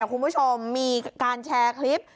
คุณผู้ชมมีการแชร์คลิป